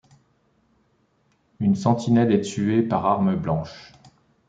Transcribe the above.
Une sentinelle est tuée par arme blanche.